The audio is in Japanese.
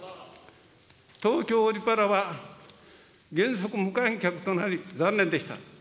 東京オリパラは、原則無観客となり残念でした。